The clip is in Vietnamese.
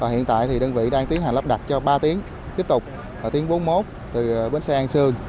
hiện tại đơn vị đang tiến hành lắp đặt cho ba tiếng tiếp tục và tiếng bốn mươi một từ bến xe an sương